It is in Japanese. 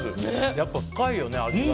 やっぱり深いよね、味が。